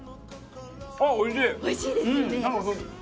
おいしい。